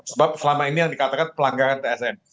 sebab selama ini yang dikatakan pelanggaran tsm